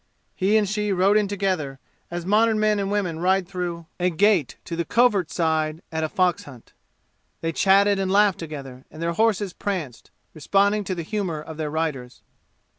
He and she rode in together as modern men and women ride through a gate to the covert side at a fox hunt. They chatted and laughed together, and their horses pranced, responding to the humor of their riders.